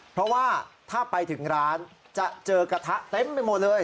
เพราะว่าถ้าไปถึงร้านจะเจอกระทะเต็มไปหมดเลย